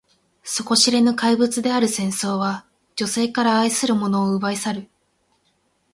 底知れぬ怪物である戦争は、女性から愛する者を奪い去る。